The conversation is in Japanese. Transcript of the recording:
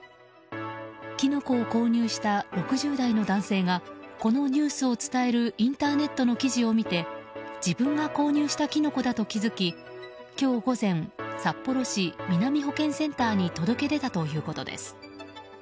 キノコを購入した６０代の男性がこのニュースを伝えるインターネットの記事を見て自分が購入したキノコだと気づき今日午前札幌市南保健センターに届け出たということです。